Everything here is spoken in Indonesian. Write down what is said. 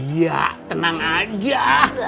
ya tenang aja